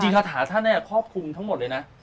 คาถาท่านเนี่ยครอบคลุมทั้งหมดเลยนะ